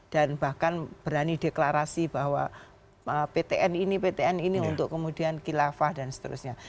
dan bahkan berani deklarasi bahwa ptn ini ptn ini untuk kemudian kilafah dan seterusnya